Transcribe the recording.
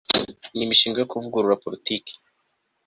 n imishinga yo kuvugurura politiki